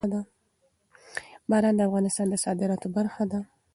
باران د افغانستان د صادراتو برخه ده.